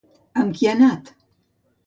Amb qui ha anat?